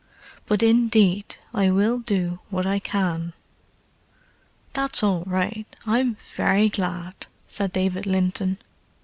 But indeed I will do what I can." "That's all right: I'm very glad," said David Linton.